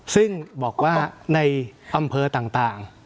ซึ่งบอกว่าในอำเภอต่าง